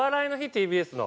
ＴＢＳの。